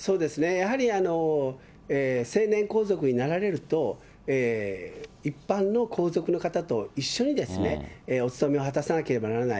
やはり成年皇族になられると、一般の皇族の方と一緒にお務めを果たさなければならない。